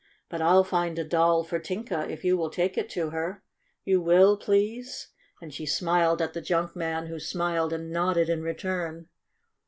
But I'll find a doll for Tinka if you will take it to her. You will, please?" and she smiled at the junk man, who smiled and nodded in return.